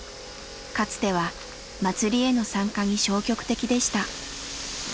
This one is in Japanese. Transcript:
かつては祭りへの参加に消極的でした。